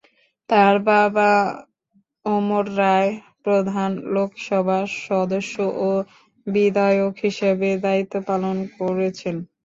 তার বাবা অমর রায় প্রধান লোকসভা সদস্য ও বিধায়ক হিসেবে দায়িত্ব পালন করেছেন।